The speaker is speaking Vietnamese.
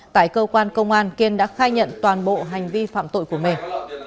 tại cơ quan công an kiên đã khai nhận toàn bộ hành vi phạm tội của mình